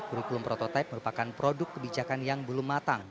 kurikulum prototipe merupakan produk kebijakan yang belum matang